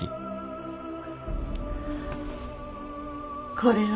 これは。